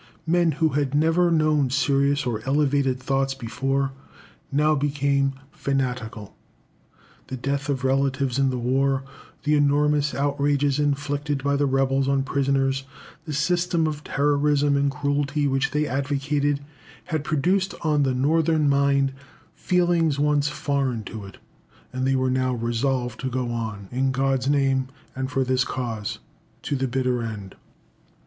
Men who had never known serious or elevated thoughts before, now became fanatical. The death of relatives in the war, the enormous outrages inflicted by the rebels on prisoners, the system of terrorism and cruelty which they advocated, had produced on the Northern mind feelings once foreign to it, and they were now resolved to go on, "in God's name, and for this cause," to the bitter end.